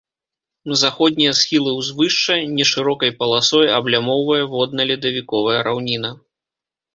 Заходнія схілы ўзвышша нешырокай паласой аблямоўвае водна-ледавіковая раўніна.